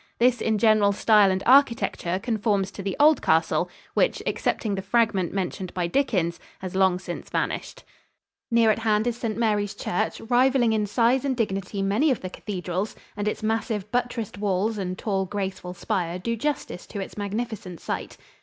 This in general style and architecture conforms to the old castle, which, excepting the fragment mentioned by Dickens, has long since vanished. Near at hand is St. Mary's Church, rivaling in size and dignity many of the cathedrals, and its massive, buttressed walls and tall, graceful spire do justice to its magnificent site.